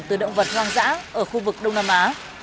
từ động vật hoang dã ở khu vực đông nam á